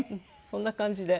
そんな感じで。